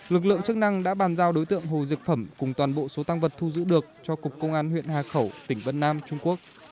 lực lượng chức năng đã bàn giao đối tượng hồ diệt phẩm cùng toàn bộ số tăng vật thu giữ được cho cục công an huyện hà khẩu tỉnh vân nam trung quốc